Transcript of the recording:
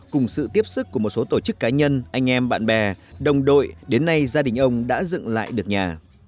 cùng sự tiếp sức của một số tổ chức cá nhân anh em bạn bè đồng đội đến nay gia đình ông đã dựng lại được nhà